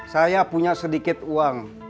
saya punya sedikit uang